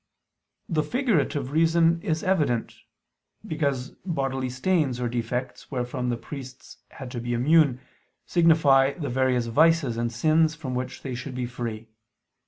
The figurative reason is evident. Because bodily stains or defects wherefrom the priests had to be immune, signify the various vices and sins from which they should be free.